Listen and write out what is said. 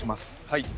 はい。